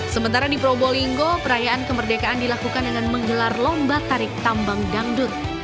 sementara di probolinggo perayaan kemerdekaan dilakukan dengan menggelar lomba tarik tambang dangdut